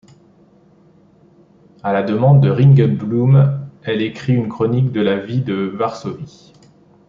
À la demande de Ringelblum, elle écrit une chronique de la vie de Varsovie.